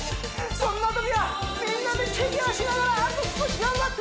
そんなときはみんなでチェケラしながらあと少し頑張って！